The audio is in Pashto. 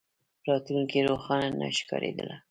راتلونکې روښانه نه ښکارېدله.